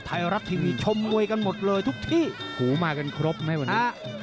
ไทยรัฐทีวีชมมวยกันหมดเลยทุกที่หูมากันครบไหมวันนี้